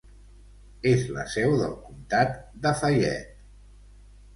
És la seu del comtat de Fayette.